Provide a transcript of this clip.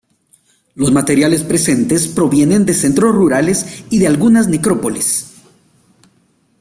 Los materiales presentes provienen de centros rurales y de algunas necrópolis.